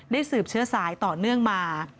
สืบเชื้อสายต่อเนื่องมา